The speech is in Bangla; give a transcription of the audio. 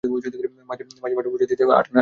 মাঝি মঠে পৌঁছাইয়া দিতে আট আনা চাহিল।